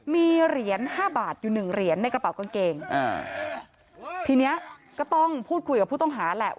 มีเหรียญห้าบาทอยู่หนึ่งเหรียญในกระเป๋ากางเกงอ่าทีเนี้ยก็ต้องพูดคุยกับผู้ต้องหาแหละ